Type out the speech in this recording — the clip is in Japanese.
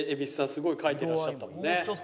すごい描いてらっしゃったもんね。